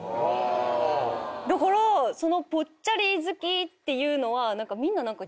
だからそのぽっちゃり好きっていうのはみんな何か。